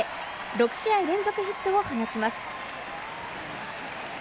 ６試合連続ヒットを放ちます。